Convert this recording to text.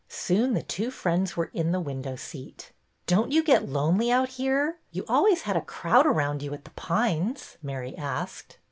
Soon the two friends were in the window seat. Don't you get lonely out here? You always had a crowd around you at The Pines," Mary asked.